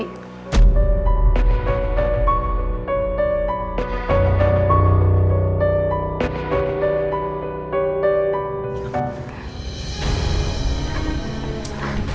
aku mau ke rumah